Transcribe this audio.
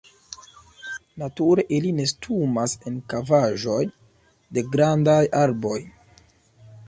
Nature ili nestumas en kavaĵoj de grandaj arboj.